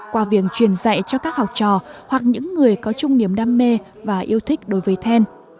qua việc truyền dạy cho các học trò hoặc những người có trung niềm đam mê và yêu thích đối với then